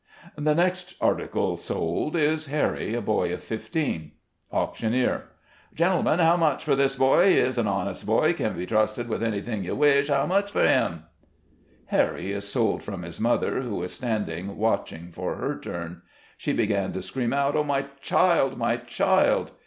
The next "article" sold is Harry, a boy of fifteen. Auctioneer — "Gentlemen, how much for this boy ? He is an honest boy, can be trusted with any thing you wish ; how much for him ?" Harry is sold from his mother, who is standing watching for her turn. She began to scream out, "Oh, my child! my child!"